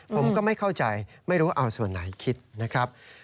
ผมก็ไม่เข้าใจไม่รู้เอาส่วนไหนคิดนะครับ